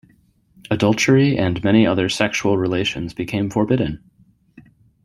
Adultery and many other sexual relations became forbidden.